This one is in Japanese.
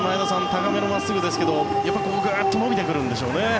高めの真っすぐですがやっぱりグッと伸びてくるんでしょうね。